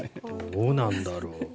どうなんだろう。